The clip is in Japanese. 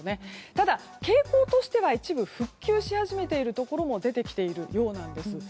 ただ、傾向としては一部復旧し始めているところも出てきているようなんです。